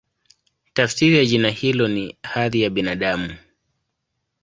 Tafsiri ya jina hilo ni "Hadhi ya Binadamu".